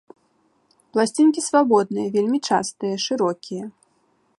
Пласцінкі свабодныя, вельмі частыя, шырокія.